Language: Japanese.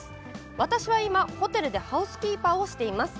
私は今、某ホテルでハウスキーパーをしています。